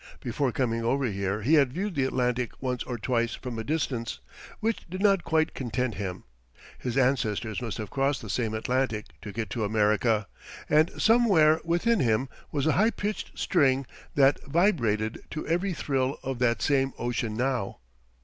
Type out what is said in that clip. Before coming over here he had viewed the Atlantic once or twice from a distance, which did not quite content him. His ancestors must have crossed that same Atlantic to get to America, and somewhere within him was a high pitched string that vibrated to every thrill of that same ocean now.